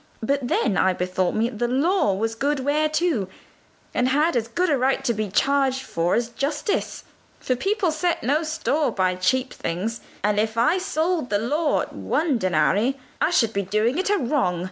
But then I bethought me the 'Law' was good ware too, and had as good a right to be charged for as 'Justice;' for people set no store by cheap things, and if I sold the 'Law' at one danaro, I should be doing it a wrong.